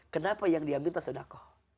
kenapa yang dia minta sodako